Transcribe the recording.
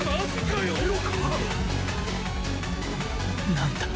何だ